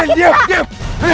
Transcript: eh diam diam